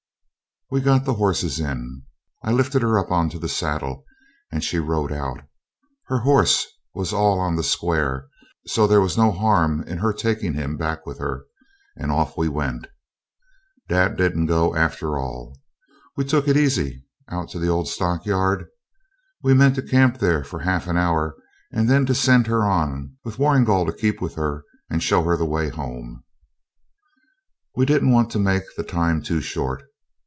We'd got the horses in. I lifted her up on to the saddle, and she rode out. Her horse was all on the square, so there was no harm in her taking him back with her, and off we went. Dad didn't go after all. We took it easy out to the old stockyard. We meant to camp there for half an hour, and then to send her on, with Warrigal to keep with her and show her the way home. We didn't want to make the time too short.